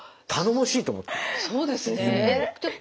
そうですね。